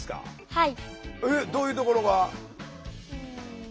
はい。